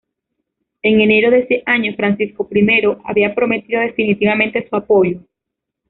En enero de ese año Francisco I había prometido definitivamente su apoyo.